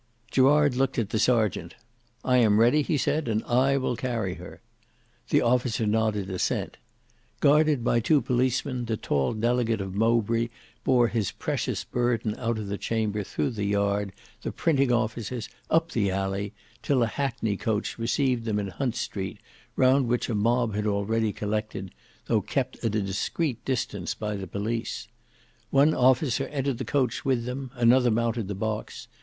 Gerard looked at the serjeant. "I am ready," he said, "and I will carry her." The officer nodded assent. Guarded by two policemen the tall delegate of Mowbray bore his precious burthen out of the chamber through the yard, the printing offices, up the alley, till a hackney coach received them in Hunt Street, round which a mob had already collected, though kept at a discreet distance by the police. One officer entered the coach with them: another mounted the box.